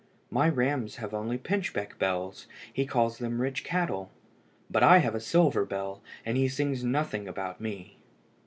My rams have only pinchbeck bells, he calls them rich cattle; but I have a silver bell, and he sings nothing about me."